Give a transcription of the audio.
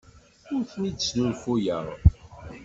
Ur ten-id-snulfuyeɣ.